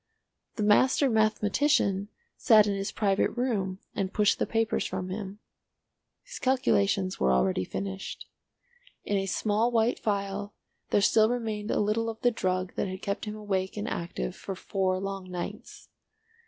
The master mathematician sat in his private room and pushed the papers from him. His calculations were already finished. In a small white phial there still remained a little of the drug that had kept him awake and active for four long nights.